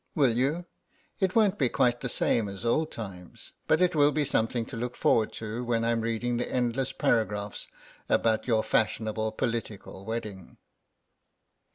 Will you? It won't be quite the same as old times, but it will be something to look forward to when I'm reading the endless paragraphs about your fashionable political wedding."